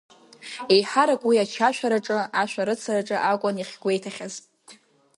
Еиҳарак уи ачашәараҿы, ашәарыцараҿы акәын иахьгәеиҭахьаз…